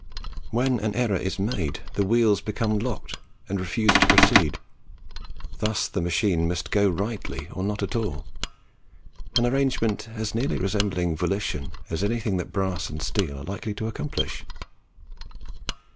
When an error is made, the wheels become locked and refuse to proceed; thus the machine must go rightly or not at all, an arrangement as nearly resembling volition as anything that brass and steel are likely to accomplish.